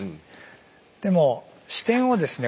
でも視点をですね